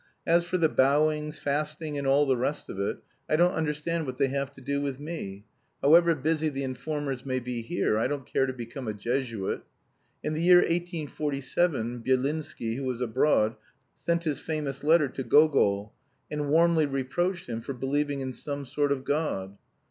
As for the bowings, fasting and all the rest of it, I don't understand what they have to do with me. However busy the informers may be here, I don't care to become a Jesuit. In the year 1847 Byelinsky, who was abroad, sent his famous letter to Gogol, and warmly reproached him for believing in some sort of God.